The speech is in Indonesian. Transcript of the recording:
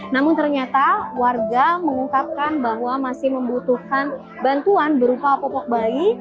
namun ternyata warga mengungkapkan bahwa masih membutuhkan bantuan berupa popok bayi